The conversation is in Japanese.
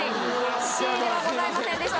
Ｃではございませんでした